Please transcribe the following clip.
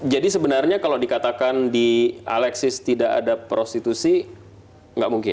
jadi sebenarnya kalau dikatakan di alexia tidak ada prostitusi nggak mungkin